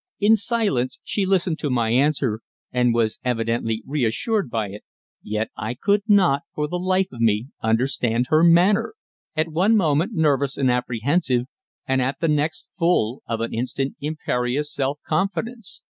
In silence she listened to my answer, and was evidently reassured by it; yet I could not, for the life of me, understand her manner at one moment nervous and apprehensive, and at the next full of an almost imperious self confidence.